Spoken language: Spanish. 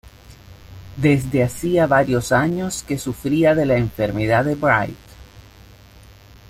Desde hacía varios años que sufría de la enfermedad de Bright.